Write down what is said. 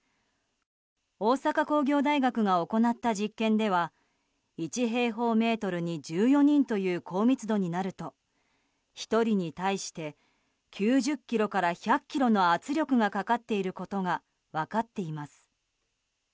大阪工業大学が行った実験では１平方メートルに１４人という高密度になると１人に対して９０ｋｇから１００ｋｇの圧力がかかっていることが分かっています。